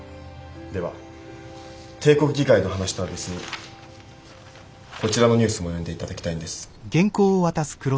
では帝国議会の話とは別にこちらのニュースも読んで頂きたいんです。